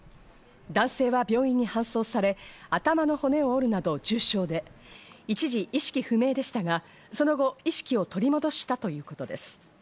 男性は病院に搬送され、頭の骨を折るなど重傷で、一時、意識不明でしたが、その後、意識を取り戻したということです。